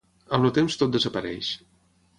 Amb el temps tot desapareix.